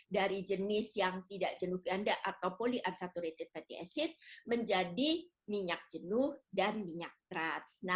dari jenis yang tidak jenuh ganda atau polyunsaturated fatty acid menjadi minyak jenuh dan minyak trans